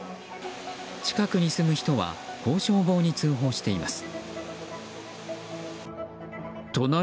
近くに住む人はこう消防に通報しています。